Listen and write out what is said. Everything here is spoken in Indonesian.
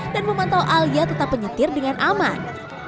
dan memantau alia tetap penyetir dengan aman